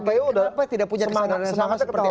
kenapa tidak punya kesengarannya sama seperti itu